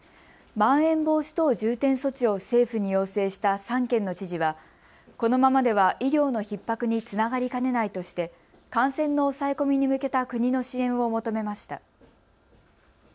まん延防止等重点措置を政府に要請した３県の知事はこのままでは医療のひっ迫につながりかねないとして感染の抑え込みに向けた国の支援を求めました。